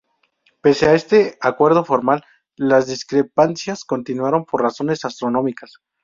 Pese a este acuerdo formal, las discrepancias continuaron por razones astronómicas.